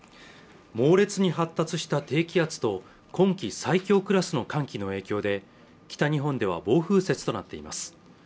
猛烈に発達した低気圧と今季最強クラスの寒気の影響で北日本では暴風雪となっています